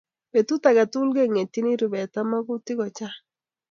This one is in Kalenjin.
Betut age tugul kengetyini rubet ak magutik kochang